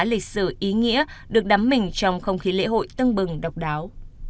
lịch sử ý nghĩa được đắm mình trong không khí lễ hội tân bừng độc đáo